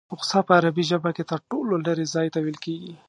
اقصی په عربي ژبه کې تر ټولو لرې ځای ته ویل کېږي.